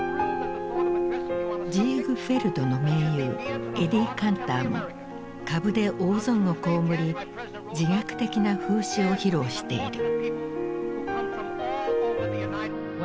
ジーグフェルドの盟友エディ・カンターも株で大損をこうむり自虐的な風刺を披露している。